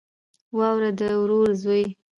وراره د ورور زوی